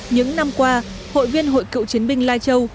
những năm qua hội viên hội cựu chiến binh lai châu